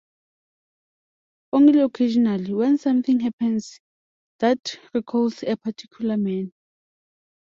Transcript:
Only occasionally — when something happens that recalls a particular man.